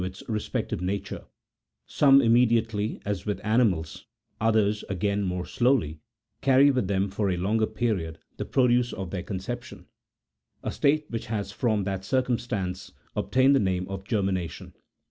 its respective nature: some immediately, as with animals, others, again, more slowly, carrying with them for a longer period the produce of their conception, a state which has from that circumstance obtained the name of " germination."